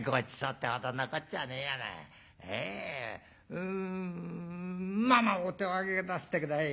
うんまあまあお手を上げなすって下さい。